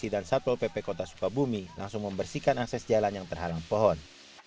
dan satpol pp kota sukabumi langsung membersihkan akses jalan yang terhalang pohon